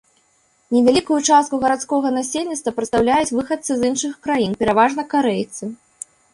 Невялікую частку гарадскога насельніцтва прадстаўляюць выхадцы з іншых краін, пераважна карэйцы.